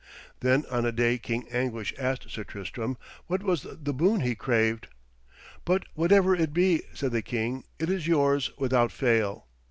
Then on a day King Anguish asked Sir Tristram what was the boon he craved. 'But whatever it be,' said the king, 'it is yours without fail.'